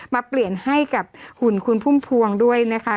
มาเปลี่ยนให้กับหุ่นคุณพุ่มพวงด้วยนะคะ